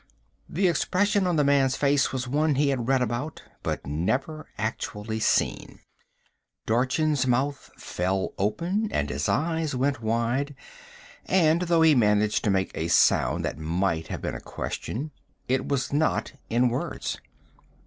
The expression on the man's face was one he had read about but never actually seen: Dorchin's mouth fell open and his eyes went wide, and though he managed to make a sound that might have been a question, it was not in words.